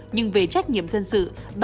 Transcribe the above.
nhưng về trách nhiệm dân sự